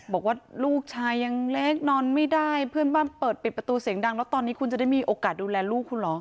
บอกว่าลูกชายยังเล็กนอนไม่ได้เพื่อนบ้านเปิดปิดประตูเสียงดังแล้วตอนนี้คุณจะได้มีโอกาสดูแลลูกคุณเหรอ